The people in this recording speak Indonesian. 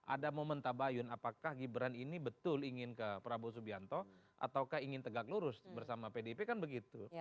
ada momen tabayun apakah gibran ini betul ingin ke prabowo subianto atau ingin tegak lurus bersama pdip kan begitu